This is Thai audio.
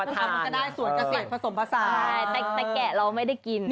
แต่แกะเราไม่ได้กิน